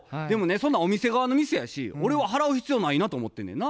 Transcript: そんなんお店側のミスやし俺は払う必要ないなと思ってんねんな。